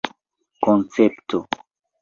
koncepto